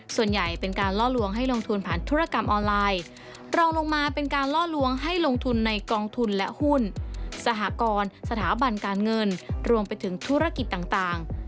ส่วนใหญ่เป็นการล่อลวงให้ลงทุนผ่านธุรกรรมออนไลน์ตรองลงมาเป็นการล่อลวงให้ลงทุนในกองทุนและหุ้นสหกรณ์สถาบันการเงินรวมไปถึงธุรกิจต่าง